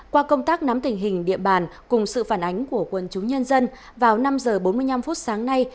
qua công tác nắm tình hình địa bàn cùng sự phản ánh của quân chúng nhân dân vào năm h bốn mươi năm phút sáng nay